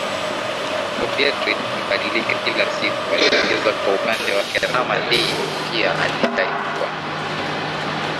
hop yetu ibadilike kila siku aliongeza Kwa upande wake Rama Dee pia alidai kuwa